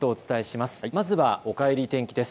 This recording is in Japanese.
まずは、おかえり天気です。